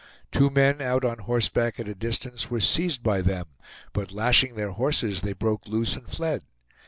Two men, out on horseback at a distance, were seized by them, but lashing their horses, they broke loose and fled.